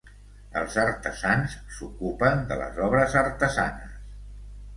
Els artesans s'ocupen de les obres artesanes.